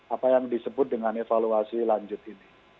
apa yang disebut dengan evaluasi lanjut ini